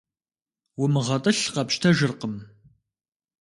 УмыгъэтӀылъ къэпщтэжыркъым.